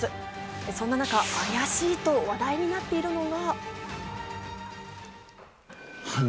そんな中、あやしいと話題になっているのが。